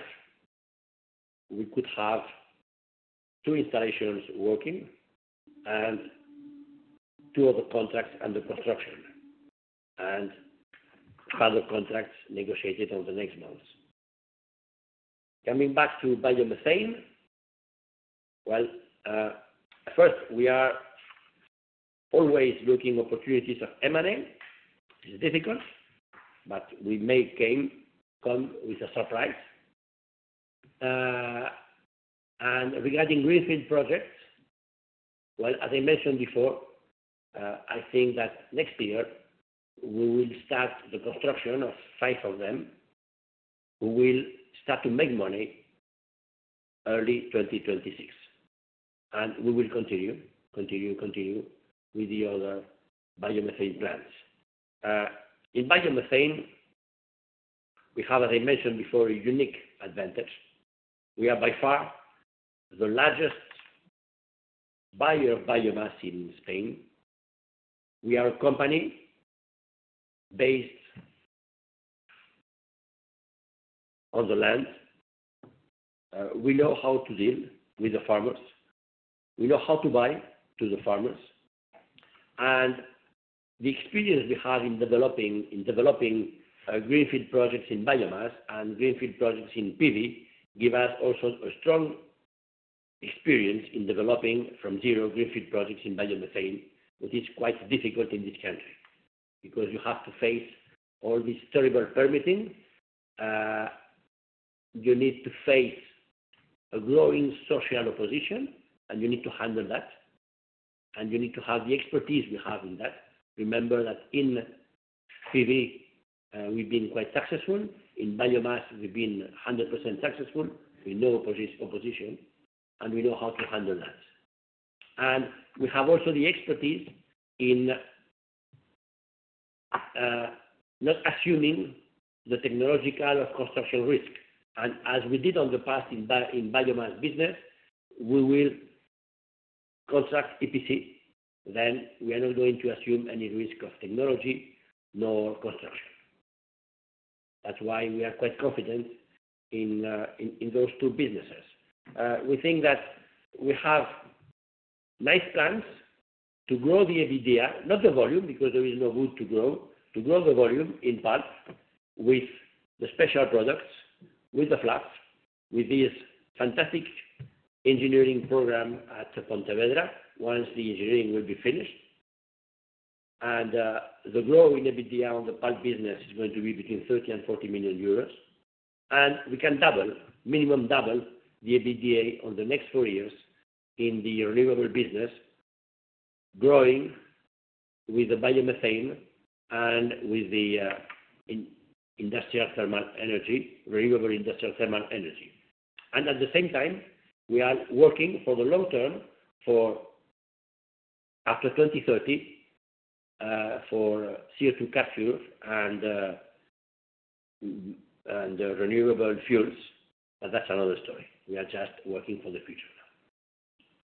we could have two installations working and two other contracts under construction and further contracts negotiated over the next months. Coming back to biomethane, well, first, we are always looking for opportunities of M&A. It's difficult, but we may come with a surprise. Regarding greenfield projects, well, as I mentioned before, I think that next year we will start the construction of five of them who will start to make money early 2026. We will continue with the other biomethane plants. In biomethane, we have, as I mentioned before, a unique advantage. We are by far the largest buyer of biomass in Spain. We are a company based on the land. We know how to deal with the farmers. We know how to buy to the farmers. And the experience we have in developing greenfield projects in biomass and greenfield projects in PV gives us also a strong experience in developing from zero greenfield projects in biomethane, which is quite difficult in this country because you have to face all this terrible permitting. You need to face a growing social opposition, and you need to handle that. And you need to have the expertise we have in that. Remember that in PV, we've been quite successful. In biomass, we've been 100% successful. We know opposition, and we know how to handle that. We have also the expertise in not assuming the technological or construction risk. As we did in the past in biomass business, we will contract EPC. We are not going to assume any risk of technology nor construction. That's why we are quite confident in those two businesses. We think that we have nice plans to grow the EBITDA, not the volume because there is no wood to grow, to grow the volume in pulp with the special products, with the fluff, with this fantastic engineering program at Pontevedra once the engineering will be finished. The growth in EBITDA on the pulp business is going to be between €30-€40 million. We can double, minimum double, the EBITDA on the next four years in the renewable business, growing with the biomethane and with the renewable industrial thermal energy. At the same time, we are working for the long term for after 2030 for CO2 capture and renewable fuels, but that's another story. We are just working for the future.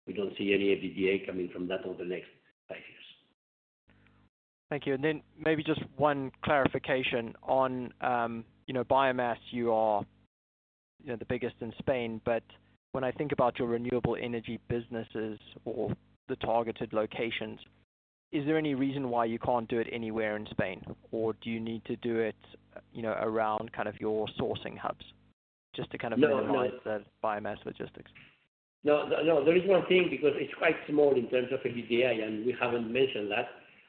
We don't see any EBITDA coming from that over the next five years. Thank you. Then maybe just one clarification on biomass. You are the biggest in Spain. But when I think about your renewable energy businesses or the targeted locations, is there any reason why you can't do it anywhere in Spain, or do you need to do it around kind of your sourcing hubs just to kind of minimize the biomass logistics? No, no. There is one thing because it's quite small in terms of EBITDA, and we haven't mentioned that.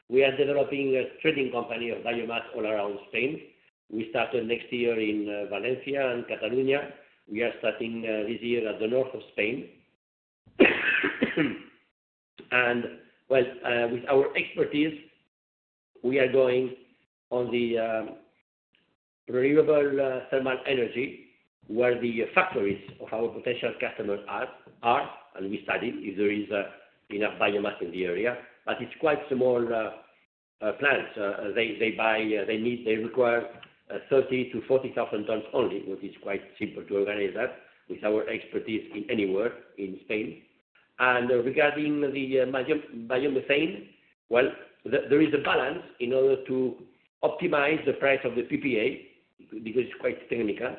We are developing a trading company of biomass all around Spain. We started next year in Valencia and Catalonia. We are starting this year at the north of Spain. And well, with our expertise, we are going on the renewable thermal energy where the factories of our potential customers are, and we study if there is enough biomass in the area. But it's quite small plants. They require 30-40 thousand tons only, which is quite simple to organize that with our expertise in any work in Spain. And regarding the biomethane, well, there is a balance in order to optimize the price of the PPA because it's quite technical.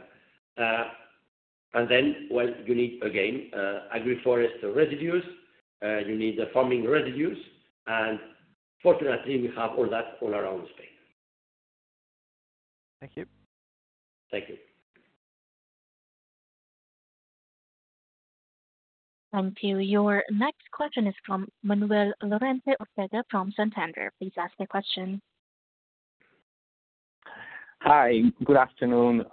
And then, well, you need, again, agroforest residues. You need the farming residues. And fortunately, we have all that all around Spain. Thank you. Thank you. Thank you. Your next question is from Manuel Lorente from Santander. Please ask the question. Hi. Good afternoon.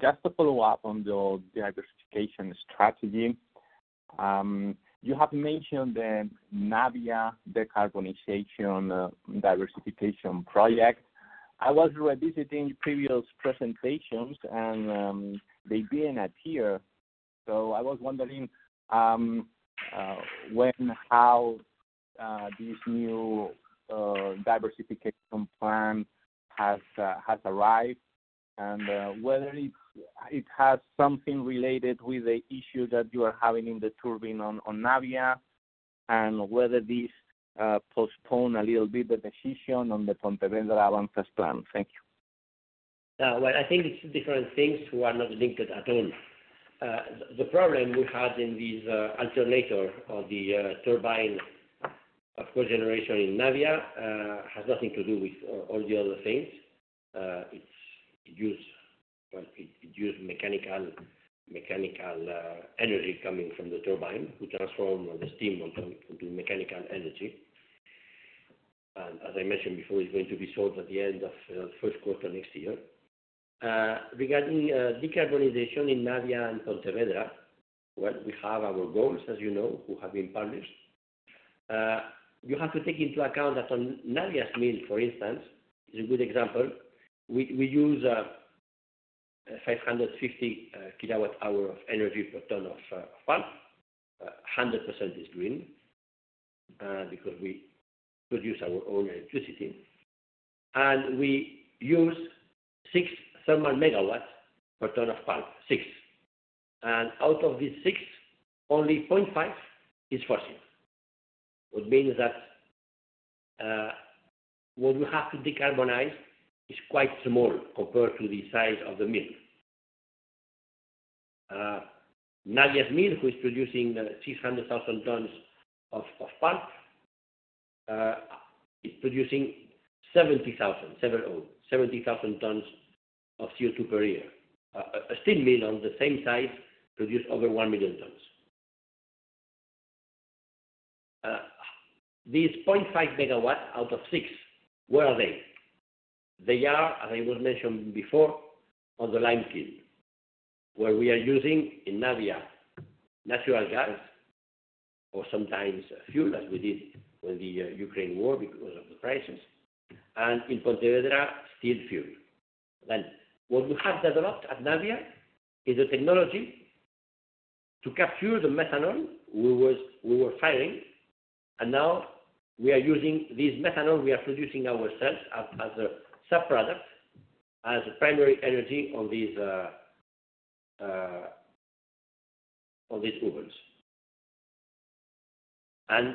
Just to follow up on the diversification strategy. You have mentioned the Navia Decarbonization Diversification Project. I was revisiting previous presentations, and they didn't appear. So I was wondering when and how this new diversification plan has arrived and whether it has something related with the issue that you are having in the turbine on Navia and whether this postponed a little bit the decision on the Pontevedra advances plan. Thank you. I think it's different things who are not linked at all. The problem we had in this alternator or the turbine of cogeneration in Navia has nothing to do with all the other things. It used mechanical energy coming from the turbine to transform the steam into mechanical energy. And as I mentioned before, it's going to be sold at the end of the first quarter next year. Regarding decarbonization in Navia and Pontevedra, we have our goals, as you know, who have been published. You have to take into account that on Navia's mill, for instance, it's a good example. We use 550 kilowatt-hours of energy per ton of pulp. 100% is green because we produce our own electricity. We use six thermal megawatts per ton of pulp, six. Out of these six, only 0.5 is fossil, which means that what we have to decarbonize is quite small compared to the size of the mill. Navia's mill, who is producing 600,000 tons of pulp, is producing 70,000 tons of CO2 per year. A steam mill on the same site produces over 1 million tons. These 0.5 megawatts out of six, where are they? They are, as I was mentioning before, on the lime kiln, where we are using in Navia natural gas or sometimes fuel, as we did with the Ukraine war because of the crisis. In Pontevedra, still fuel. Then what we have developed at Navia is the technology to capture the methanol we were firing. And now we are using this methanol we are producing ourselves as a byproduct as primary energy on these boilers. And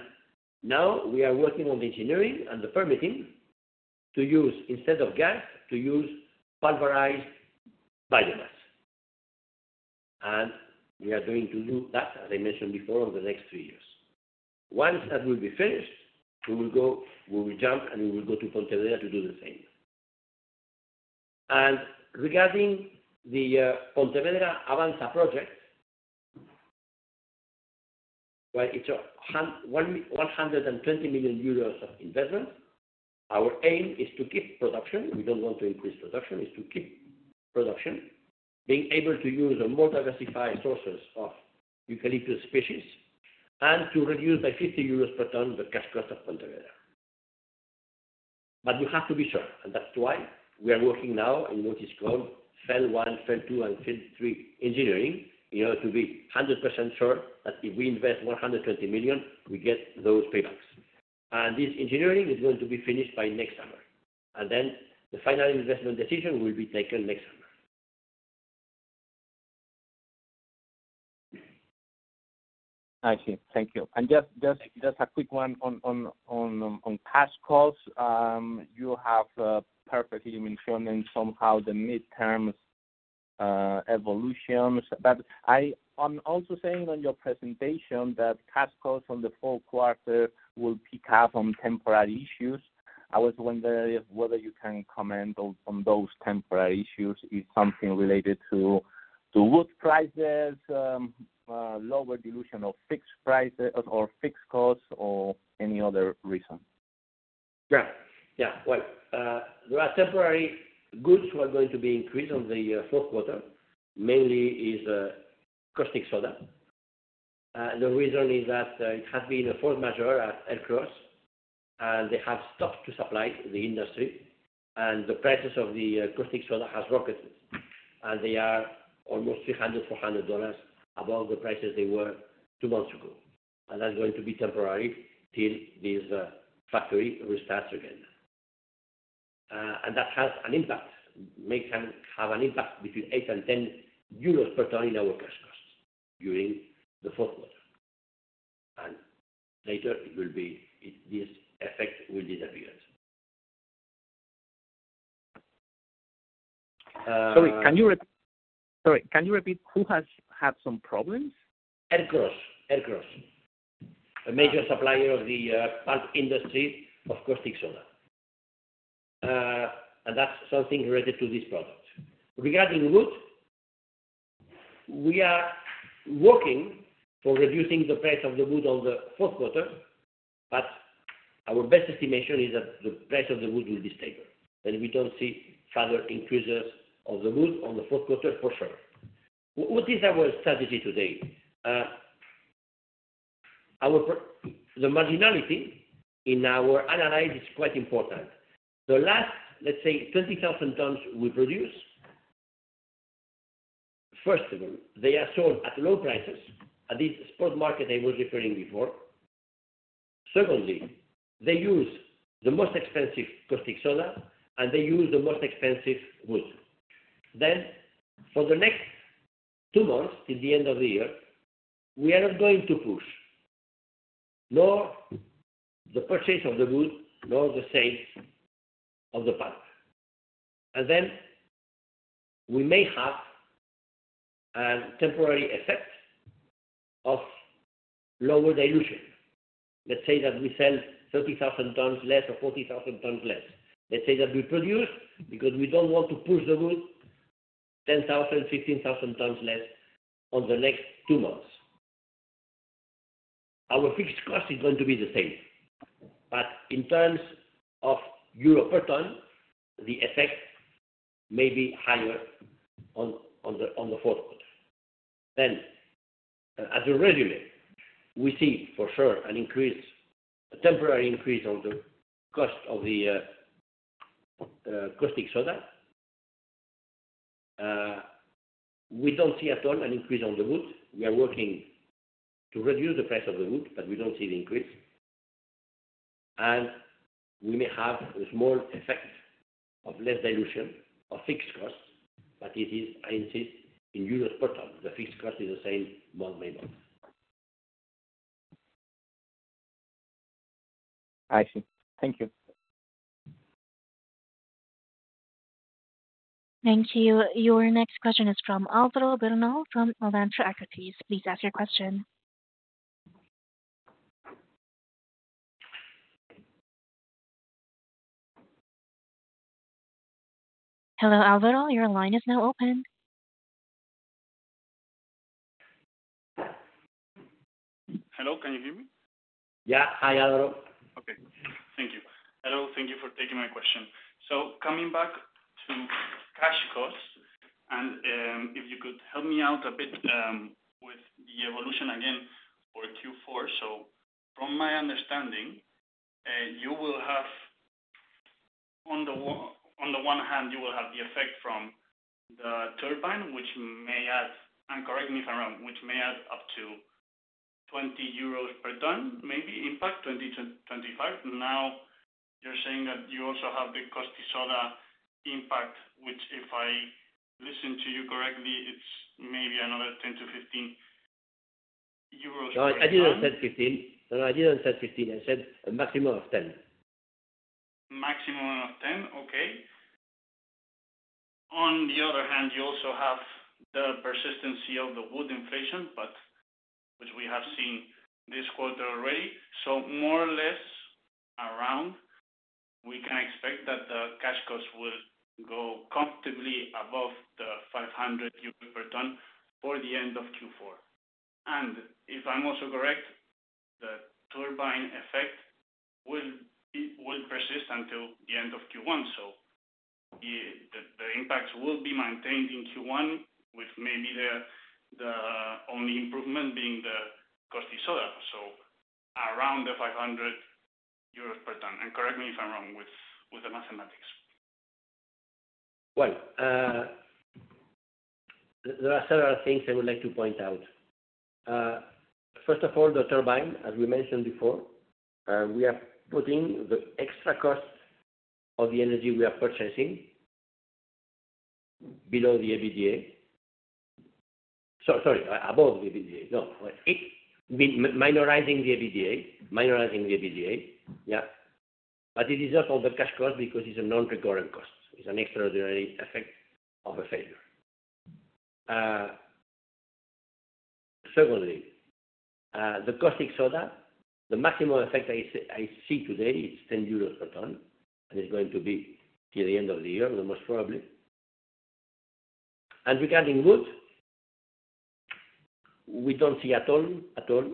now we are working on the engineering and the permitting to use, instead of gas, to use pulverized biomass. And we are going to do that, as I mentioned before, over the next three years. Once that will be finished, we will jump and we will go to Pontevedra to do the same. And regarding the Pontevedra-Avanza project, well, it's 120 million euros of investment. Our aim is to keep production. We don't want to increase production. It's to keep production being able to use the more diversified sources of eucalyptus species and to reduce by 50 euros per ton the cash cost of Pontevedra. But we have to be sure. That's why we are working now in what is called phase one, phase two, and phase three engineering in order to be 100% sure that if we invest 120 million, we get those paybacks. This engineering is going to be finished by next summer. Then the final investment decision will be taken next summer. I see. Thank you. Just a quick one on cash costs. You have perfectly mentioned somehow the midterm evolutions. I'm also seeing on your presentation that cash costs on the fourth quarter will pick up on temporary issues. I was wondering whether you can comment on those temporary issues. Is something related to wood prices, lower dilution of fixed prices or fixed costs, or any other reason? Yeah. Yeah. There are temporary costs that are going to be increased on the fourth quarter, mainly is caustic soda. The reason is that it has been a force majeure at Ercros, and they have stopped to supply the industry. And the prices of the caustic soda have rocketed. And they are almost $300-$400 above the prices they were two months ago. And that's going to be temporary till this factory restarts again. And that has an impact. It may have an impact between €8 and €10 per ton in our cash costs during the fourth quarter. And later, this effect will disappear. Sorry, can you repeat? Sorry, can you repeat? Who has had some problems? Ercros. Ercros. A major supplier of the pulp industry of caustic soda. And that's something related to this product. Regarding wood, we are working for reducing the price of the wood on the fourth quarter, but our best estimation is that the price of the wood will be stable, and we don't see further increases of the wood on the fourth quarter for sure. What is our strategy today? The marginality in our analysis is quite important. The last, let's say, 20,000 tons we produce, first of all, they are sold at low prices at this spot market I was referring before. Secondly, they use the most expensive caustic soda, and they use the most expensive wood. Then for the next two months till the end of the year, we are not going to push nor the purchase of the wood nor the sales of the pulp, and then we may have a temporary effect of lower dilution. Let's say that we sell 30,000 tons less or 40,000 tons less. Let's say that we produce, because we don't want to push the wood, 10,000, 15,000 tons less on the next two months. Our fixed cost is going to be the same. But in terms of euro per ton, the effect may be higher on the fourth quarter. Then as a résumé, we see for sure an increase, a temporary increase on the cost of the caustic soda. We don't see at all an increase on the wood. We are working to reduce the price of the wood, but we don't see the increase, and we may have a small effect of less dilution or fixed cost, but it is, I insist, in euros per ton. The fixed cost is the same month by month. I see. Thank you. Thank you. Your next question is from Álvaro Bernal from Alantra Equities. Please ask your question. Hello, Álvaro. Your line is now open. Hello. Can you hear me? Yeah. Hi, Álvaro. Okay. Thank you. Hello. Thank you for taking my question. Coming back to cash costs, if you could help me out a bit with the evolution again for Q4. From my understanding, you will have on the one hand, you will have the effect from the turbine, which may add, and correct me if I'm wrong, which may add up to 20 euros per ton, maybe impact, 20-25 EUR. You're saying that you also have the caustic soda impact, which if I listen to you correctly, it's maybe another 10-15 euros per ton. No, I didn't say 15. No, I didn't say 15. I said a maximum of 10 EUR. Maximum of 10 EUR. Okay. On the other hand, you also have the persistence of the wood inflation, which we have seen this quarter already. So more or less around, we can expect that the cash cost will go comfortably above 500 euro per ton for the end of Q4. And if I'm also correct, the turbine effect will persist until the end of Q1. So the impacts will be maintained in Q1, with maybe the only improvement being the caustic soda, so around 500 euros per ton. And correct me if I'm wrong with the mathematics. Well, there are several things I would like to point out. First of all, the turbine, as we mentioned before, we are putting the extra cost of the energy we are purchasing below the EBITDA. Sorry, above the EBITDA. No, minimizing the EBITDA. Minimizing the EBITDA. Yeah. But it is not on the cash cost because it's a non-recurrent cost. It's an extraordinary effect of a failure. Secondly, the caustic soda, the maximum effect I see today is 10 euros per ton, and it's going to be till the end of the year, most probably. And regarding wood, we don't see at all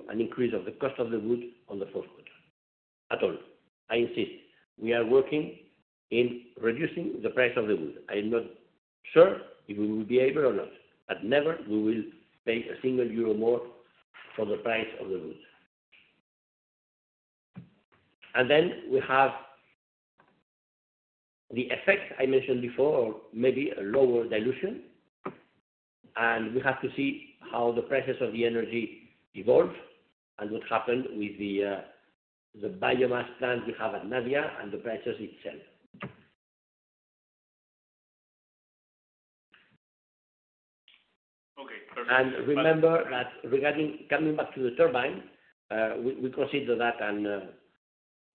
an increase of the cost of the wood on the fourth quarter. At all. I insist. We are working in reducing the price of the wood. I am not sure if we will be able or not. But never we will pay a single EUR more for the price of the wood. And then we have the effect I mentioned before, maybe a lower dilution. And we have to see how the prices of the energy evolve and what happened with the biomass plants we have at Navia and the prices itself. Okay. Perfect. And remember that regarding coming back to the turbine, we consider that a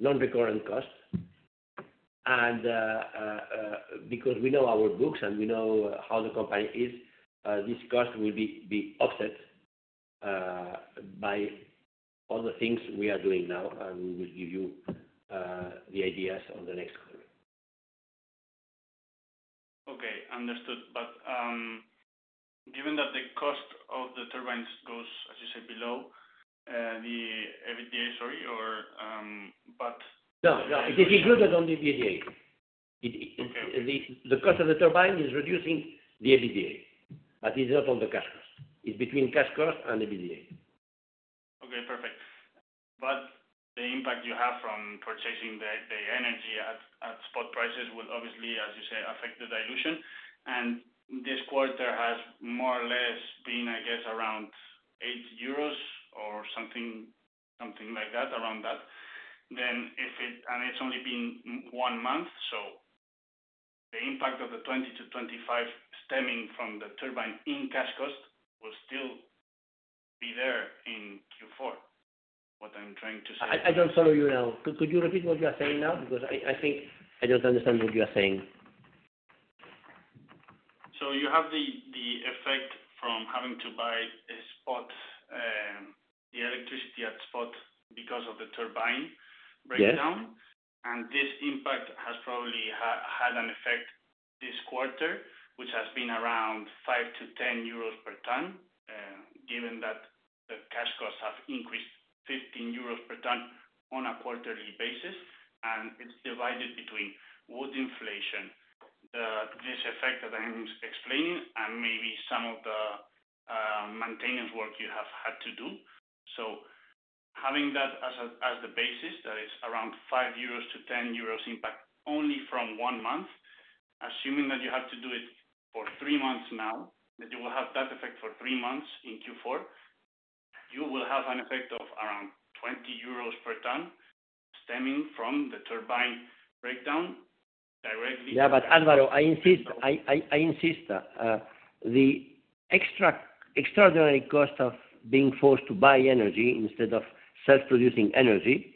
non-recurrent cost. And because we know our books and we know how the company is, this cost will be offset by all the things we are doing now. And we will give you the ideas on the next quarter. Okay. Understood. But given that the cost of the turbines goes, as you said, below the EBITDA, sorry, but. No, no. It is included on the EBITDA. The cost of the turbine is reducing the EBITDA, but it's not on the cash cost. It's between cash cost and EBITDA. Okay. Perfect. But the impact you have from purchasing the energy at spot prices will obviously, as you say, affect the dilution. And this quarter has more or less been, I guess, around 8 euros or something like that, around that. And it's only been one month. So the impact of the 20-25 stemming from the turbine in cash cost will still be there in Q4, what I'm trying to say. I don't follow you now. Could you repeat what you are saying now? Because I think I don't understand what you are saying. So you have the effect from having to buy spot the electricity at spot because of the turbine breakdown. And this impact has probably had an effect this quarter, which has been around 5-10 euros per ton, given that the cash costs have increased 15 euros per ton on a quarterly basis. And it's divided between wood inflation, this effect that I'm explaining, and maybe some of the maintenance work you have had to do. So having that as the basis, that is around 5-10 euros impact only from one month, assuming that you have to do it for three months now, that you will have that effect for three months in Q4, you will have an effect of around 20 euros per ton stemming from the turbine breakdown directly. Yeah. But Álvaro, I insist. I insist. The extraordinary cost of being forced to buy energy instead of self-producing energy,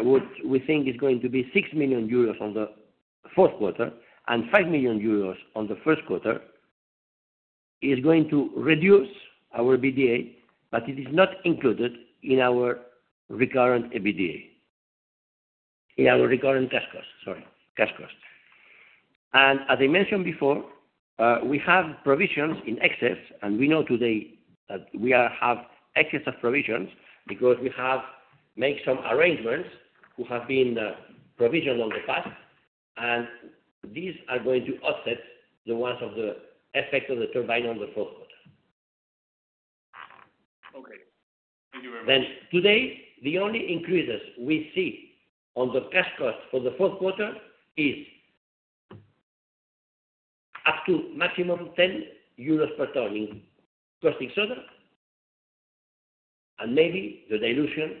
which we think is going to be 6 million euros on the fourth quarter and 5 million euros on the first quarter, is going to reduce our EBITDA, but it is not included in our recurrent EBITDA, in our recurrent cash cost, sorry, cash cost, and as I mentioned before, we have provisions in excess. We know today that we have excess of provisions because we have made some arrangements who have been provisioned in the past. These are going to offset the ones of the effect of the turbine on the fourth quarter. Okay. Thank you very much. Today, the only increases we see on the cash cost for the fourth quarter is up to maximum 10 EUR per ton in caustic soda. Maybe the dilution,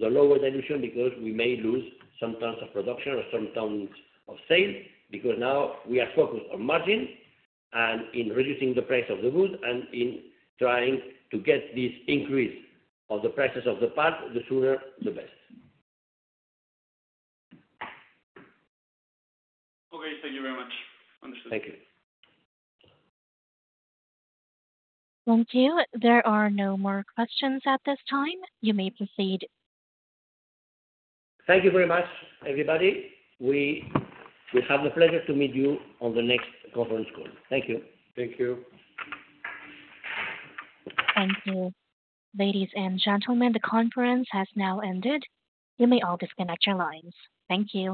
the lower dilution because we may lose some tons of production or some tons of sale because now we are focused on margin and in reducing the price of the wood and in trying to get this increase of the prices of the pulp the sooner the better. Okay. Thank you very much. Understood. Thank you. Thank you. There are no more questions at this time. You may proceed. Thank you very much, everybody. We have the pleasure to meet you on the next conference call. Thank you. Thank you. Thank you. Ladies and gentlemen, the conference has now ended. You may all disconnect your lines. Thank you.